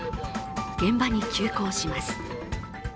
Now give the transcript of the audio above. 現場に急行します。